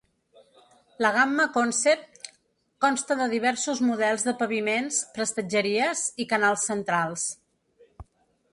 La gamma Concept consta de diversos models de paviments, prestatgeries i canals centrals.